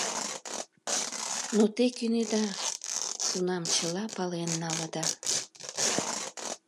— Но те кӧнеда... кунам чыла пален налыда!